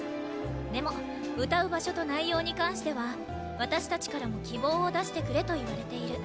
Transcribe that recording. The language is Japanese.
でも歌う場所と内容に関しては私たちからも希望を出してくれと言われている。